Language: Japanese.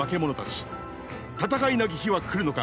戦いなき日は来るのか。